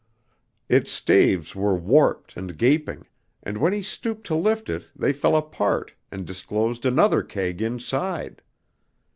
Its staves were warped and gaping, and when he stooped to lift it they fell apart and disclosed another keg inside.